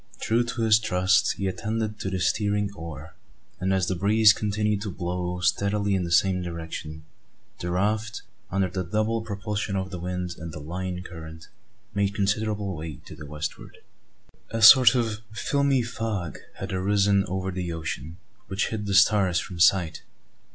True to his trust, he attended to the steering oar: and as the breeze continued to blow steadily in the same direction, the raft, under the double propulsion of the wind and the "line current," made considerable way to the westward. A sort of filmy fog had arisen over the ocean, which hid the stars from sight.